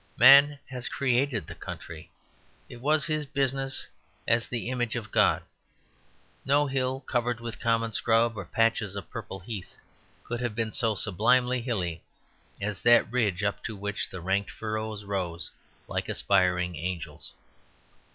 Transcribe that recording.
Man has created the country; it was his business, as the image of God. No hill, covered with common scrub or patches of purple heath, could have been so sublimely hilly as that ridge up to which the ranked furrows rose like aspiring angels.